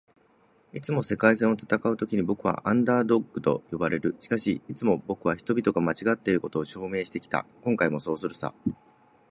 「いつも“世界戦”を戦うときに僕は『アンダードッグ』と呼ばれる。しかし、いつも僕は人々が間違っていることを証明してきた。今回もそうするさ」